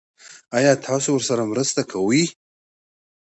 ایا تاسو ورسره مرسته کوئ؟